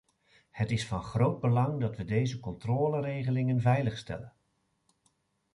Het is van groot belang dat we deze controleregelingen veiligstellen.